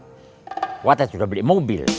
saya sudah beli mobil